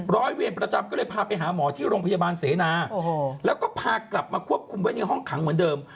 ร้อยเวรประจำก็เลยพาไปหาหมอที่โรงพยาบาลเสนาแล้วก็พากลับมาควบคุมไว้ในห้องขังเหมือนเดิม